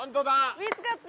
見つかった！